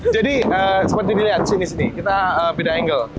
jadi seperti dilihat sini sini kita beda angle